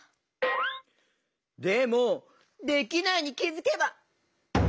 でも「できないに気づけば」？